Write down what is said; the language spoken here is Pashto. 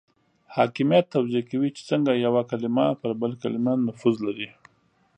حاکمیت توضیح کوي چې څنګه یو کلمه پر بل کلمه نفوذ لري.